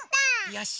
よし！